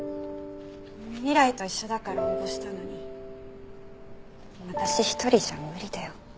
未来と一緒だから応募したのに私一人じゃ無理だよ。